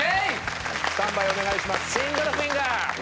スタンバイお願いします。